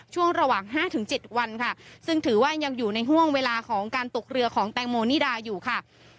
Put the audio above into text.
ช่วงระหว่าง๕๗วันค่ะซึ่งถือว่ายังอยู่ในห่วงเวลาของการตกเรือของแตงโมนิดาอยู่ค่ะ